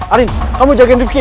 arin kamu jagain rifki